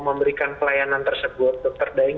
memberikan pelayanan tersebut dr daeng